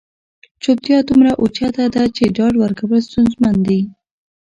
چوپتیا دومره اوچته ده چې ډاډ ورکول ستونزمن دي.